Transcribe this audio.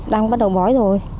đang bắt đầu bói rồi